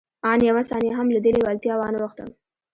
آن يوه ثانيه هم له دې لېوالتیا وانه وښتم.